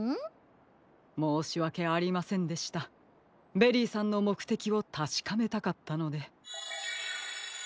ベリーさんのもくてきをたしかめたかったので。